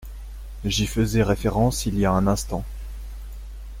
J’y faisais référence il y a un instant.